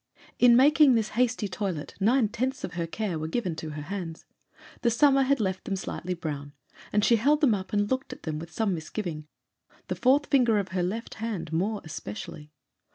In making this hasty toilet nine tenths of her care were given to her hands. The summer had left them slightly brown, and she held them up and looked at them with some misgiving, the fourth finger of her left hand more especially.